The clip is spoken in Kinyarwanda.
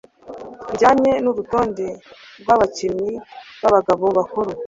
bijyanye nurutonde rwabakinnyi babagabo bakuru